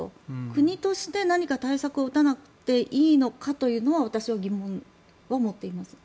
国として何か対策を打たなくていいのかというのは私は疑問を持っています。